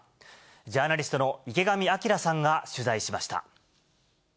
ジャーナリストの池上彰さんが取材しました。